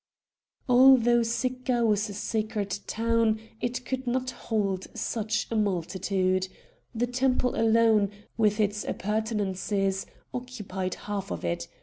Although Sicca was a sacred town it could not hold such a multitude; the temple alone, with its appurtenances, occupied half of it.